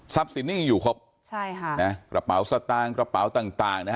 ทรัพย์แสมยังอยู่ครบกระเป๋าสตางค์กระเป๋าต่าง